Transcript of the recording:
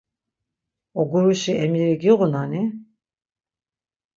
Oguruşi emiri giğunani?